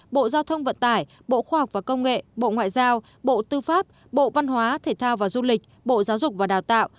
bộ giao thông vận tải bộ khoa học và công nghệ bộ ngoại giao bộ tư pháp bộ văn hóa thể thao và du lịch bộ giáo dục và đào tạo